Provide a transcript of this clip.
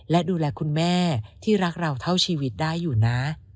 และดูแลคุณแม่ที่รักเราเท่าชีวิตได้อยู่นะ